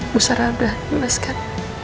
musara udah jelas kan